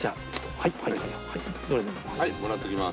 はいもらっときます。